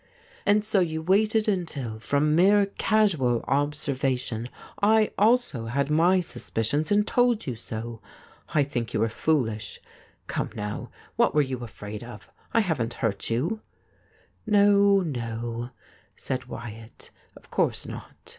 ' And so you waited until, from mere casual observation, I also had my suspicions, and told you so. I think you were foolish. Come now : what were you afraid of } I haven't hurt you.' ' No, no,' said Wyatt. ' Of course not.